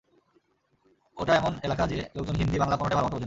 এটা এমন এলাকা যেখানে লোকজন হিন্দি, বাংলা কোনোটাই ভালোমতো বোঝে না।